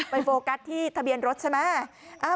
โฟกัสที่ทะเบียนรถใช่ไหม